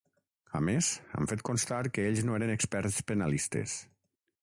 A més, han fet constar que ells no eren experts penalistes.